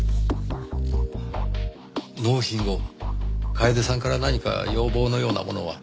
納品後楓さんから何か要望のようなものは？